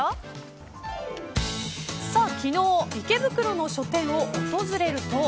昨日、池袋の書店を訪れると。